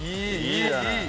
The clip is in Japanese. いいじゃない。